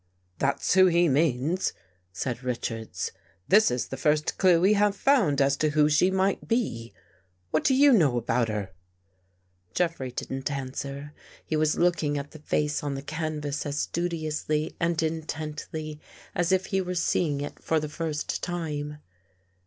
"" That's who he means," said Richards. " This is the first clew we have found as to who she might be. What do you know about her?" Jeffrey didn't answer. He was looking at the face on the canvas as studiously and intently as if he were seeing it for the first time.